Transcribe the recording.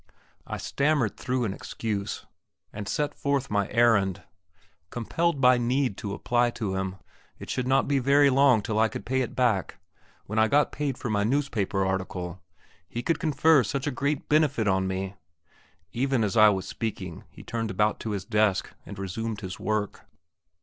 I stammered through an excuse, and set forth my errand. Compelled by need to apply to him ... it should not be very long till I could pay it back ... when I got paid for my newspaper article.... He would confer such a great benefit on me.... Even as I was speaking he turned about to his desk, and resumed his work.